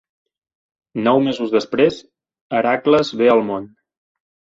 Nou mesos després, Hèracles ve al món.